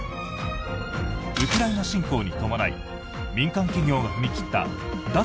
ウクライナ侵攻に伴い民間企業が踏み切った脱